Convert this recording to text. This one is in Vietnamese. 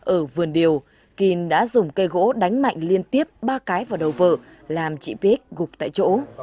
ở vườn điều kỳ đã dùng cây gỗ đánh mạnh liên tiếp ba cái vào đầu vợ làm chị bích gục tại chỗ